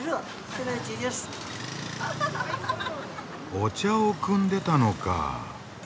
お茶をくんでたのか。